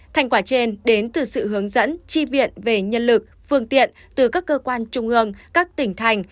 thành quả trên đến từ sự hướng dẫn chi viện về nhân lực phương tiện từ các cơ quan trung ương các tỉnh thành